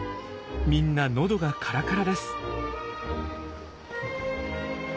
みんな喉がカラカラです。